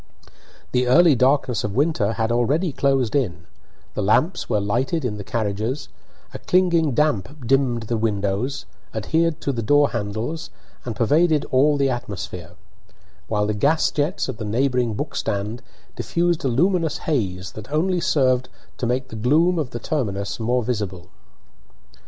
The early darkness of winter had already closed in; the lamps were lighted in the carriages; a clinging damp dimmed the windows, adhered to the door handles, and pervaded all the atmosphere; while the gas jets at the neighbouring book stand diffused a luminous haze that only served to make the gloom of the terminus more visible.